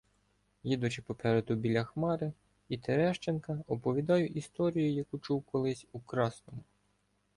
їдучи попереду біля Хмари і Терещенка, оповідаю історію, яку чув колись у Красному.